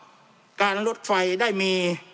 จำนวนเนื้อที่ดินทั้งหมด๑๒๒๐๐๐ไร่